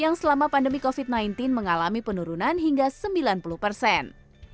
yang selama pandemi covid sembilan belas mengalami penurunan hingga sembilan puluh persen